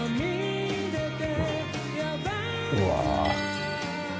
うわ。